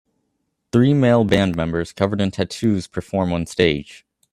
Three male band members covered in tattoos perform on stage